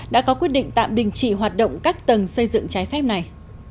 đã có quyết định tạm bình trị hoạt động các tầng xây dựng cháy phép này